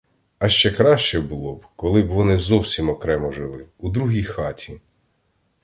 А ще краще було б, коли б вони зовсім окремо жили, у другій хаті.